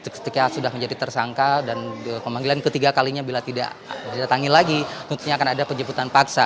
ketika sudah menjadi tersangka dan pemanggilan ketiga kalinya bila tidak didatangi lagi tentunya akan ada penjemputan paksa